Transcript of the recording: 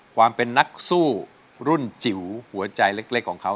ความเป็นนักสู้รุ่นจิ๋วหัวใจเล็กของเขา